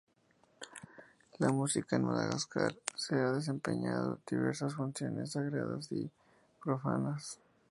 La música en Madagascar se ha desempeñado diversas funciones sagradas y profanas.